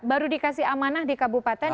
baru dikasih amanah di kabupaten